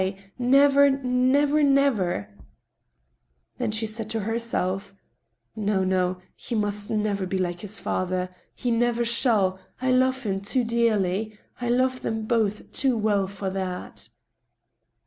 never, never, never !" Then she said to herself :" No, no ; he must never be like his father !... He never shall I I love him too dearly — I love them both too well for that